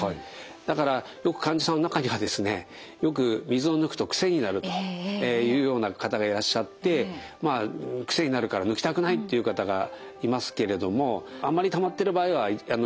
だからよく患者さんの中にはですねよく水を抜くと癖になるというような方がいらっしゃってまあ癖になるから抜きたくないっていう方がいますけれどもあんまりたまってる場合は抜くとですね